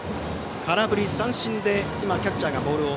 空振り三振でキャッチャーがボールを